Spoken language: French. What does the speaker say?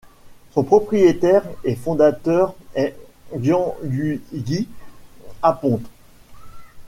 Son propriétaire et fondateur est Gianluigi Aponte.